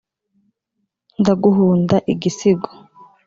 Ndaguhunda igisigo